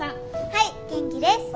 はい元気です。